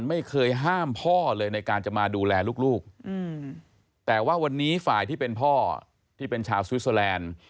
ไม่เคยห้ามพ่อเลยในการจะมาดูแลลูกแต่ว่าวันนี้ฝ่ายที่เป็นพ่อที่เป็นชาวสวิสเตอร์แลนด์